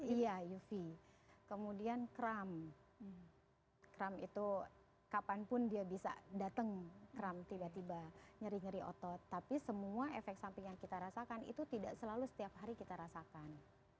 iya uv kemudian kram kram itu kapanpun dia bisa datang kram tiba tiba nyeri nyeri otot tapi semua efek samping yang kita rasakan itu tidak selalu setiap hari kita rasakan